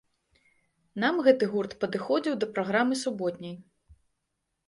Нам гэты гурт падыходзіў да праграмы суботняй.